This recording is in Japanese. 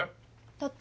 だって。